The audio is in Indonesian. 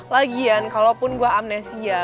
lagian kalaupun gue amnesia